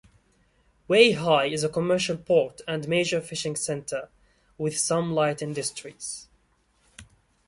Weihai is a commercial port and major fishing center with some light industries.